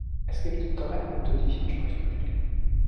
Es gibt drei Punkte, die ich ansprechen möchte.